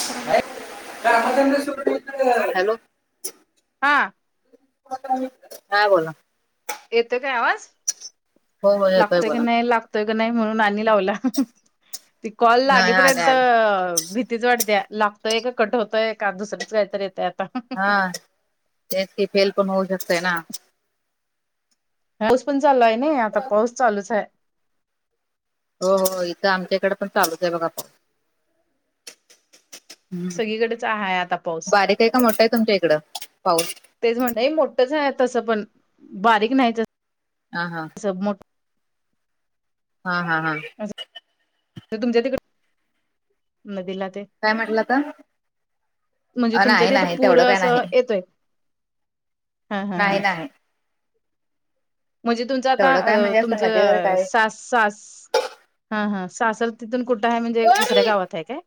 Hello. हा. हा बोला. येतोय काय आवाज, हो हो येतोय लागतोय की बोला नाही लागतोय की नाही म्हणून आणि लावला. ती कॉल नाही आले लागेपर्यंत आले भीतीच वाटते्या. लागतोय का कट होतय का दुसरंच काहीतरी येत. हा तेच की फेल पण होऊ शकतय ना. पाऊस पण चालला आहे नाही, आता पाऊस चालूच आहे. हो हो इथं आमच्या इकडे पण चालूच आहे. बघा पाऊ हम्म, सगळीकडेच आहे आता पाऊस. बारीक आहे का मोठा आहे. तुमच्या इकडं पाऊस तेच म्हण मोठच आहे. तसं पण बारीक नाही. हा हा. सबमूट. हा, हा, हा. तुमच्या तिकड नदीला ते काय म्हटलं तर म्हणजे अ तुमच्या नाही तिथं नाही पूर तेवढं काय नाही. असं येतोय हा हा नाही हा. नाही. म्हणजे तुमचं आता तेवढं काय अ म्हणजे असं नदी वगैरे तुमचं काय सास सास हा हा सासर तिथून कुठं आहे. म्हणजे दुसऱ्या गावात आहे काय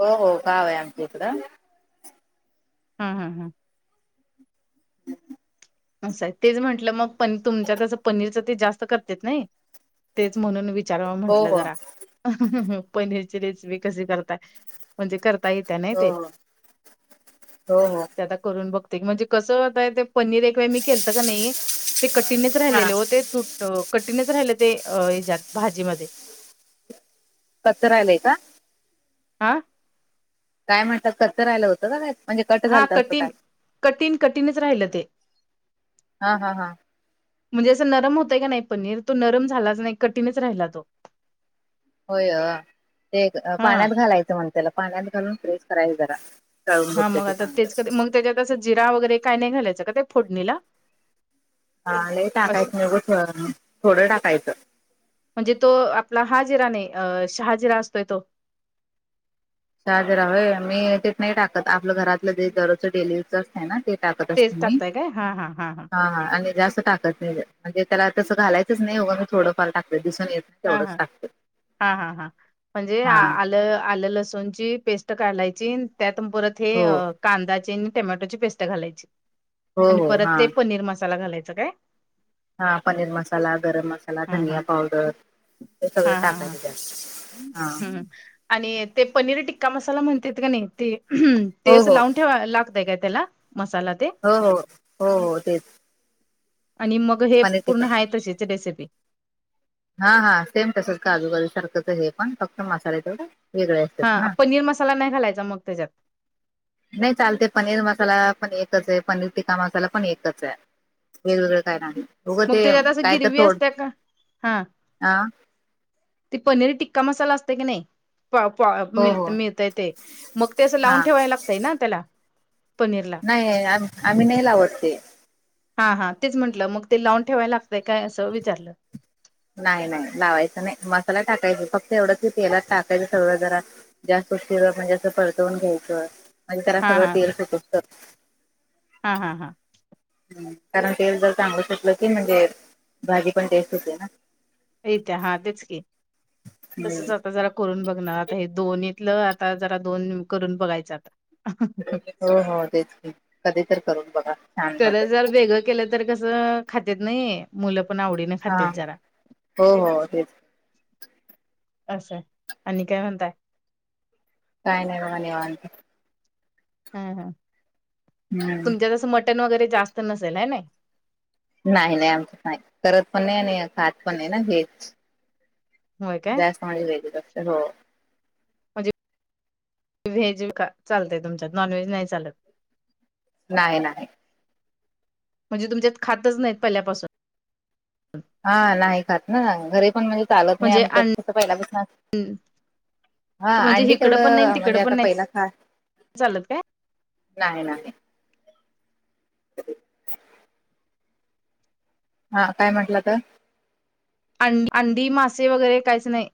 हो हो गाव आहे. आमची इकडं. हा हा हा. असं आहे तेच म्हंटलं मग प तुमच्या तस पनीरच ते जास्त करतेत नाही तेच म्हणून. विचार हो म्हंटलं हो जरा पनीरची रेसिपी कशी करताय. म्हणजे करता येत्या नाही हो ते हो हो हो ते आता करून बघ. म्हणजे कसं होताय ते पनीर एक मी खेतं का नाही ते कठीनेच हा राहिलेले हो ते तुट. कठीणच राहिलं ते हच्यात भाजीमध्ये. पत्थर आलय का. आ. काय म्हणतात कचं राहिलं होत का. म्हणजे कट हा झालत असं कठीण काय कठीण कठीणच राहिल ते. हा हा हा. म्हणजे असं नरम होतय का नाही पनीर तो नरम झालाच नाही कठीणच राहिला तो. [inaudible] होय अ ते हा पाण्यात घालायचं म्हण त्याला पाण्यात घालून फ्रेश करायच जरा. जाऊून हा मग भेटत ते आता चांगलय. तेच कधी, मग त्याच्यात असं जिरा वगैरे काय नाही घालायचं का ते फोडणीला. हा नाही असं टाकायचं न ग थोडं टाकायचं. म्हणजे तो आपला हा जिरा नाही शहाजिरा असतोय तो. चार्जर हवय मी ते नाही टाकत आपलं घरातलं जे दररोजं डेली. मस्त आहे ना टाकत तेच असते ना नही टाकताय काय हा हा हा. हा आणि जास्त टाकत नाही म्हणजे त्याला तसं घालायचंच नाही होघं मी थोडंफार टाकत दिसून येत. हा तेवढंच हा टाकते हा हा हा म्हणजे आ हा आलं आलं लसूणची. पेस्ट काालायची त्यात परत हे हो कांदाची आणि टमॅटोची पेस्ट घालायची. हो आणि हो हा परत ते पनीर मसाला घालायचं काय. हा पनीर मसाला गरम मसाला हा हा धनिया पावडर. ते सगळं हा हा हा टाकायचं त्यात हा. हम्म आणि ते पनीर टिक्का मसाला म्हणतात का नाही ते ते हो अस हो लावून. ठेवा लागत काय त्याला मसाला ते. हो हो, हो हो तेच. आणि मग हे पनीर पूर्ण टिक्का हा तशीची रेसिपी. हा हा सेम तसंच काजूबाजू सारखंच हे पण फक्त मसाले तेथवडा, हा पनीर मसाला नाही घालायचा मग त्याच्यात. नाही चालते पनीर मसाला पण एकच आहे, पनीर टिक्का मसाला पण एकच आहे. वेगवेगळं काय नाही, उग मग ते त्याच्यात असं काय तर गिरवी थोड असत्या का हा अ... ते पनीर टिक्का मसाला असते की नाही. प मि हो हो मिळतय ते मग ते असं लावून हा ठेवाय लागतय ना त्याला. पनीरला नाही आम्ही नाही लावतते. हा हा तेच म्हंटलं मग ते लावून ठेवायला लागतय काय असं विचारलं. नाही नाही लावायचं नाही मसाला टाकायचा फक्त एवढंच तेलात टाकायचं सगळं जरा. जास्त उशीर म्हणजे असं परतवून घ्यायचं म्हणजे त्याला हा सगळं हा तेल सुटसतर. हा हा हा. ह कारण तेल जर चांगलं सुटलं की म्हणजे भाजी पण टेस्ट होते ना. रित्या हा तेच की तसच हम्म. आता जरा. करून बघणार आता हे दोन्हीतलं आता जरा दोन करून बघायचं आता हो हो तेचकी कधी तर करून बघा छान होते. [unintelligible] केल. तर कस खातेत नाही मुलं पण आवडीन हा, हो हो तेच. असं, आणि काय म्हणताय. काय नाही बाबा निवांत. हा हा, हम्म तुमच्यातसं मटण वगैरे जास्त नसेल आहे नाय? नाही नाही आमच नाही करत पण नाही आणि खात पण नाही ना व्हेज. होय काय जास्त म्हणजे व्हेजच असत हो म्हज व्हेज का चालतय तुमच्यात नॉन व्हेज नाही चालत. नाही नाही. म्हणजे तुमच्यात खातच नाहीत पहिल्यापासून. हा नाही खात ना, घरी पण म्हणजे चालत नाही म्हणजे अं आमच्यात कसं पहिला बसत हा म्हणजे अंडी हिकडं पण नाही तेवढं म्हणजे तिकडं पण आता नाही पहिला खा चालत काय? नाही नाही. [inaudible] हा काय म्हटलं तर, अं अंडी मासे वगैरे काहीच नाही.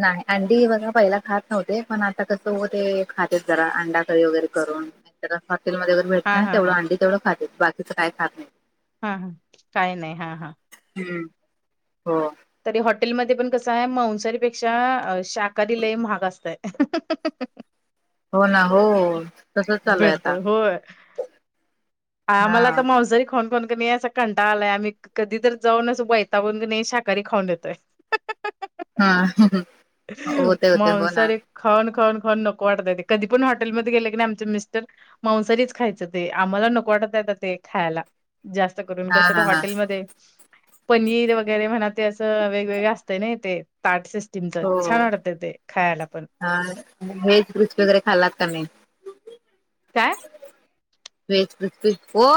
नाही अंडी बघा पहिला खात नव्हते, पण आता कसं हो ते खातेत जरा अंडाकही वगैरे करून. नाही हॉटेलमध्ये अर भेटते हा ना हा तेवढं हा अंडी तेवढं खाते बाकीचं काय खात नाही. हा, काय नाही हा हा. हम्म! हो! तरी हॉटेलमध्ये पण कसं आहे मंसारीपेक्षा शाकाहारी लय महाग असतय. [inaudible] हो ना हो! तसच चालू आहे भेटते आता होय. हा आम्हाला तर मांसाहारी खाऊन खाऊन क नाही असं कंटाळा आलाय आम्ही कधीतरी जाऊन असं वैताकून कनई शाकाहारी खाऊन येतोय. हा. होते होते हो ना मांसाहारी. खाऊन खाऊन पण नको वाटतय ते कधी पण हॉटेलमध्ये गेले की आमचे मिस्टर मांसारीच खायचं ते आम्हाला नको वाटत येत ते खायला. जास्त करून हा कस तर हा हा हॉटेलमध्ये, पनीर वगैरे म्हणा ते असं वेगवेगळं असतं ना ते ताट सिस्टीमच. हो छान वाटत ते खायला पण हा हेच कृुच वगैरे खाल्लात का नाही काय वच हो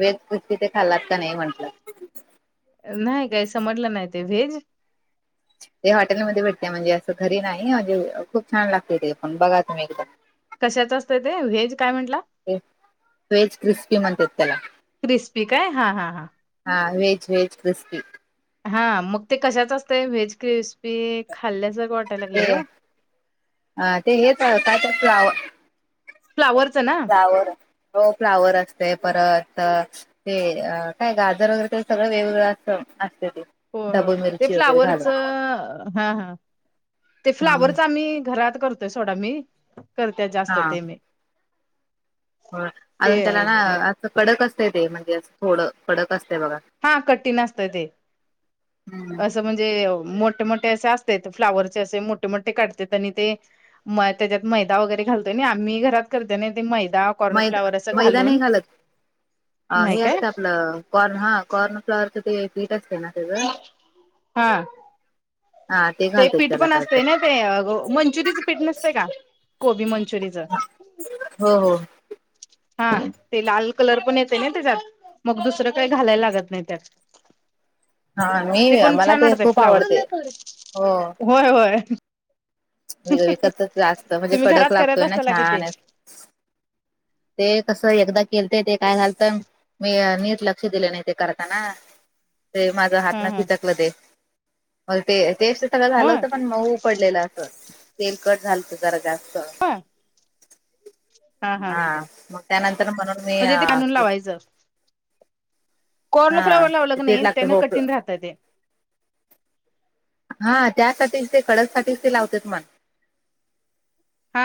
वेज तिथे खाल्लात का नाही म्हंटलं नाही काही समटलं नाही ते भेज ते हॉटेलमध्येध्ये भेटते म्हणजे असं घरी नाही म्हणजे खूप छान लागते ते पण बघा तुम्ही एकदम कशाच असतंय ते व्हेज काय म्हंटलं व्ेज क्रिस्पी म्हणतात त्याला क्रिस्पी काय हा हा हा हा वेज वेज क्रिस्पी हा मग ते कशाच असते व्हेज क्रिस्पी खाल्ल्यास वाट ते अ ते येत का त्या फ्लावरचं ना फ्लावर हो फ्लावर असते परत ते काय गाजर वगैरे ते सगळं वेगवेगळं अस असते ते हो हो डबू ते मिरची वगैरे फ्लावरच घालून हा हा ते फ्लावरच आम्ही घरात करतोय सोडा मी करते जास्त ते मी हो ते अजून त्याला ना असं कडक असते ते म्हणजे थोडं कडक असततेय बघा हा कठीण असत ते हम्म अस म्हणजे मोठे मोठे असे असते फ्लावरचे असे मोठे मोठे काढतेात आणि ते म त्याच्यात मैदा वगैरे घालतोय आम्ही घरात करतेो ना ते मैदा मैदा कॉर्नफ्लाॉवर असं मैदा घालून नाही घालत अ नाही हे काय असतं आपलं कॉर्न हा कॉर्न फ्लॉवरच ते पीठ असते ना त्याचं हा हा ते घालतात पीठ त्याला पण काय तर असतं ना ते मंचुरीचं पीठ नसतं का कोबी मंचुरीचं हो हो हा ते लाल कलर पण येते ना त्याच्यात मग दुसरं काही घालायला लागत नाही त्यात हा मी ते पण मला छान ते वाटतय खूप आवडते. फ्लावर हो होय होय विकतच जास्त म्हणजे तुम्ही घरात कडक करत लागतोय ना असताला कि ते छान ते कस एकदा केल ते ते काय घालत मी नीट लक्ष दिलं नाही ते करताना ते माझ ह हात ना ह फिथकलं ते मग ते तेच सगळं झालं होय होतं पण मग पडलेलं अस तेल कट झालत जरा जास्त ह हा हा हा मग त्यानंतर म्हणून मी म्हणजे ते आणून लावायचं कॉर्न हा फ्लावर लावल पीठ नाही लागत त्यान भोपळ कठीण राहत ते हा त्यासाठीच ते कडकसाठीच ते लावते मला हा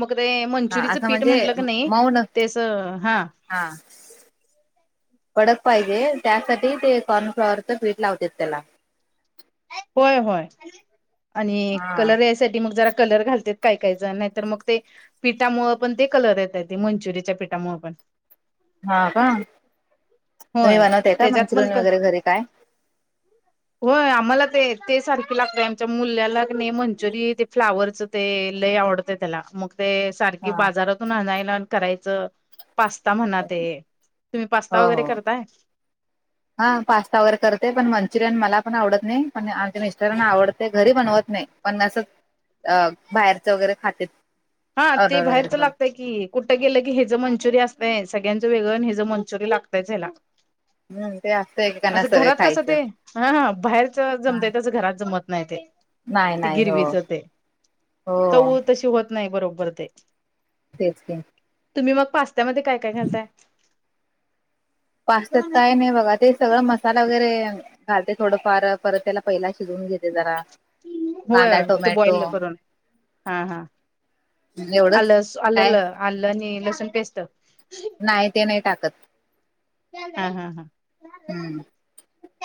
मग ते हा मंचुरीिचं असं पीठ म्हणजे म्हटलं क नाही मऊ न तेच हा हा कडक पाहिजे त्यासाठी ते कॉर्नफ्लॉवरच स्वीट लावते त्याला होय होय आणि हा. कलरस मग जरा कलर घालते काय काही जण नाही तर मग ते पिठामुळे पण ते कलर येतेत ते मंचुरियाच्या पीठामुळे पण हा का तुम्ही होय बनवताय का त्याच्यात पण मंचुरियन क वगैरे घरी काय? हो आम्हाला ते ते सारखी लागते आमच्या मुल्याला नाही मंचुरीि ते फ्लावरच ते लय आवडत त्याला मग ते सारखी हा. बाजारातून आणायला करायचं पास्ता म्हणाते तुम्ही हो पास्ता वगैरे हो. करताय हा पास्ता वगैरे करते पण मंचुरियन मला पण आवडत नाही पण आमच्या मिस्टरना आवडते घरी बनवत नाही पणना अस अ बाहेरच वगैरे खातेत हा ते ऑर्डर वगैरे बाहेरच करून. लागतय कि कुठं गेलं की हे जं मंचुरिय असतय सगळ्यांचं वेळं हे जं मंचुिय लागय हला हम्म ते एकेकांना असं सवय घरात कसं ते खायचं. हाा बाहेरच हा. जमताय असं घरात जमत नाही ते नाही ती नाही हो गिरवीच ते हो च तशी होत नाही बरोबर ते तेच तुम्ही मग पास्त्यामध्ये काय काय घालताय पास्त्यात काय नाही बघा ते सगळं मस्त मसाला वगैरे घालते थोडफार परत त्याला पहिला शिजवून घेते जरा होय कांदा ते टोमॅटो बॉइल करून हा हा एवढंच आलं काय आलं आलं आणि लसूण पेस्ट नाही ते नाही टाकत हा हा हा हम्म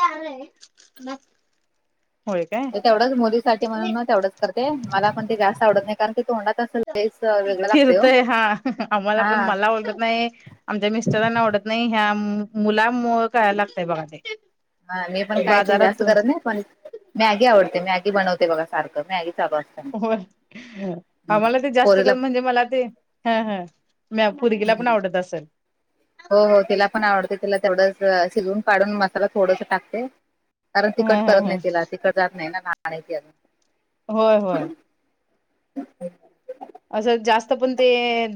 आलंय म तेवढंच मोदीसाठीठी म्हणून तेवढंच करते मला पण ते जास्त आवडत नाही कारण ते तोंडातच फिरतोय हा आम्हाला हा पण मला ळत नाही आमच्या मिस्टरांना आवडत नाही ह्या मुला करायला लागतय बघा ते हा मी पण काय ते जास्त बाजारातून करत नाही पण मॅगी आवडते मॅगी बनवते बघा सारखं मॅगी चा बत हो आम्हाला ते जास्त पोरीला कर म्हणजे मला ते ह हा म फुरगीला पण हम्म आवडत असेल हो हो तिला पण आवडते तिला तेवढंच शिजवून काढून मसाला थोडस टाकते कारण हा तिकट हा करत हा नाही तिला तिकट जात नाही ना अजून होय होय ह असं जास्त पण ते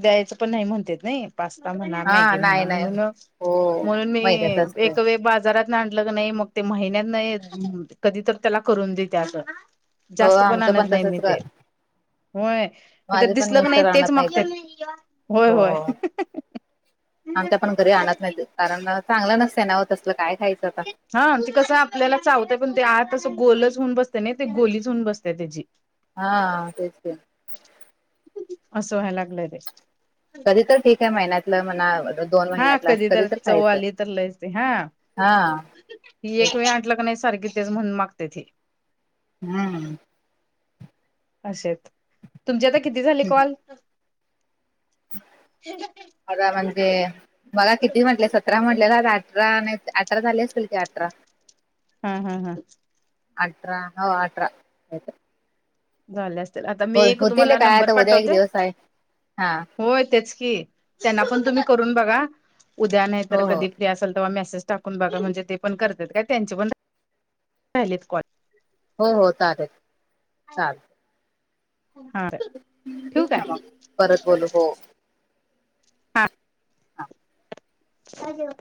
द्यायचं पण नाही म्हणत नाही पास्ता म्हणा हा मॅगी नाही म्हणा नाही म्हणून हो म्हणून मी मैद्याच असतंय एक बाजार लं नाही मग ते महिन्यात नाही कधी तर त्याला करून देत हो जास्त पण आमचं आणत नाही मी तसच ते कर होय हे तर माझे पण दिसलं क नाही मिस्टर तेच आणत ते मागत होय हो होय हो आमच्या पण घरी आणत नाहीत कारण चांगलं नसतं नाव तसलं काय खायचं आता ह हा तेी कसं आपल्याला चावतंय पण ते आत असं गोलच होऊन बसते ना ते गोलीच होऊन बसते त्याची हा तेच आहे असं व्हायला लागलंय ते कधी तर ठीक आहे महिन्यातलं मणा दोन हा महिन्यातलं अस कधी तर चव खायचं आली तर लयच ते हा हा ही तेच एक वे आणलं का नाही सारखी तेच म्हणून मागते ती हम्म असच तुमचे आता किती झाले कॉल आता म्हणजे मला किती म्हटले सत अठरा म्हटलेला अठरा अठरा झाली असतीलल की अठरा हा हा हा अठरा न अठ्र झाले असतील आता मी एक होतील तुम्हाला काय नंबर आता उद्या एक पाठवते दिवस आहे हा होय तेच की त्यांना पण तुम्ही करून बघा उद्या नाही तरर हो हो कधी असेल तर्हा मेसेज टाकून बघा म्हणजे ते पण करतात का त्यांचे पण राहिलेत कॉल हो हो चालेलल चालेल हा ठेवू काय पररत बोलू हो हा हा काय देऊ?